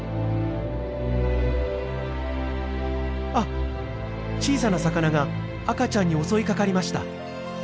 あっ小さな魚が赤ちゃんに襲いかかりました。